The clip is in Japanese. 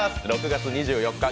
６月２４日